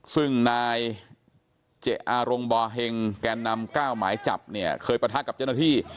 ซึ่งนายเจอารงบอเฮงแก่นำ๙หมายจับเนี่ยเคยปะทะกับเจ้าหน้าที่